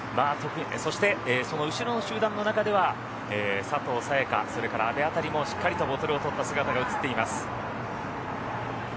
そして、その後ろの集団の中では佐藤早也伽それから阿部辺りもしっかりとボトルを取った姿が映っています。